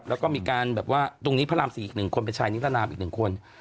แล้วก็มีการแบบว่าตรงนี้พระรามศรีอีกหนึ่งคนเป็นชายนิทรานามอีกหนึ่งคน